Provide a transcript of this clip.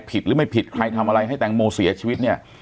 หรือไม่ผิดใครทำอะไรให้แตงโมเสียชีวิตเนี่ย